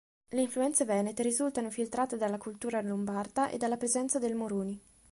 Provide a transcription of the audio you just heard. Le influenze venete risultano filtrate dalla cultura lombarda e dalla presenza del Moroni.